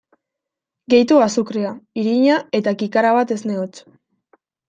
Gehitu azukrea, irina eta kikara bat esne hotz.